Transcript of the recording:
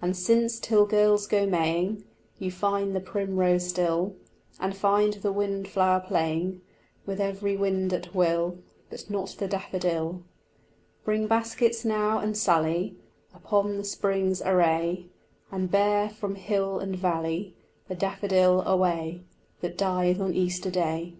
And since till girls go maying You find the primrose still, And find the windflower playing With every wind at will, But not the daffodil, Bring baskets now, and sally Upon the spring's array, And bear from hill and valley The daffodil away That dies on Easter day.